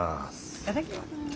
いただきます。